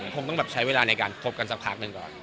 คงต้องแบบใช้เวลาในการคบกันสักพักหนึ่งก่อน